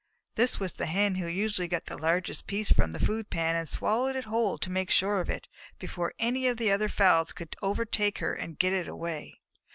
This was the Hen who usually got the largest piece from the food pan and swallowed it whole to make sure of it, before any of the other fowls could overtake her and get it away.